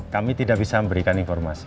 kami tidak bisa memberikan informasi